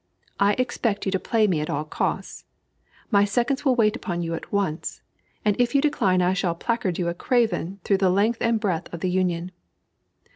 I expect you to play me at all costs. My seconds will wait upon you at once; and if you decline I shall placard you a craven through the length and breadth of the Union."